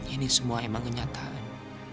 ini semua emang kenyataan